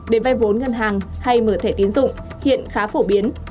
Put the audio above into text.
để vay vốn ngân hàng hay mở thẻ tiến dụng hiện khá phổ biến